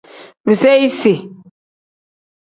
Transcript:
Biseyisi.